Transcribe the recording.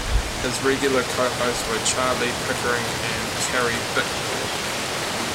His regular co-hosts were Charlie Pickering, and Carrie Bickmore.